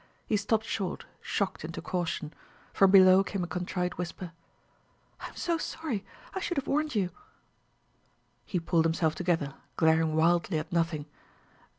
He stopped short, shocked into caution. From below came a contrite whisper: "I'm so sorry! I should have warned you." He pulled himself together, glaring wildly at nothing.